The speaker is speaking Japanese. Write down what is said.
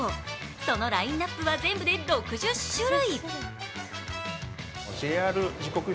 そのラインナップは全部で６０種類。